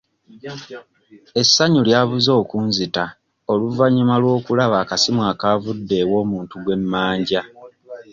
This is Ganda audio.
Essanyu lyabuze okunzita oluvannyuma lw'okulaba akasimu akaavudde ew'omuntu gwe mmanja.